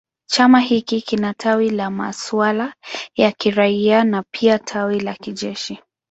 Chama hiki kina tawi la masuala ya kiraia na pia tawi la kijeshi.